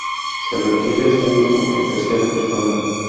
Se refiere a sí mismo en tercera persona.